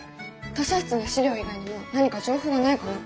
図書室の史料以外にも何か情報はないかな？